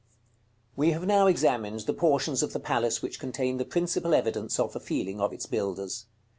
§ CXXIX. We have now examined the portions of the palace which contain the principal evidence of the feeling of its builders.